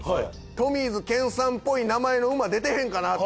トミーズ健さんっぽい名前の馬出てへんかなと。